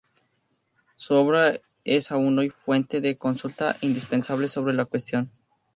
Su obra es aún hoy fuente de consulta indispensable sobre la cuestión.